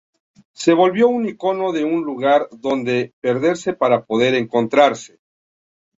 Se volvió un icono de un lugar dónde perderse para poder encontrarse.